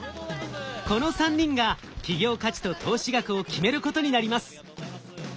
この３人が企業価値と投資額を決めることになります。